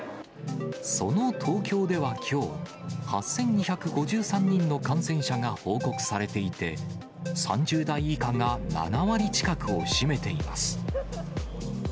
その東京ではきょう、８２５３人の感染者が報告されていて、３０代以下が７割近くを占めています。